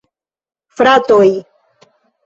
Fratoj!